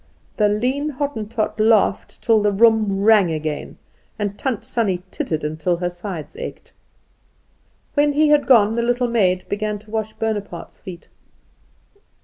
The lean Hottentot laughed till the room rang again; and Tant Sannie tittered till her sides ached. When he had gone the little maid began to wash Bonaparte's feet.